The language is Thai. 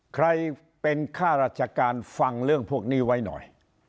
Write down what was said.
ใครเป็นข้าราชการฟังเรื่องพวกนี้ไว้หน่อย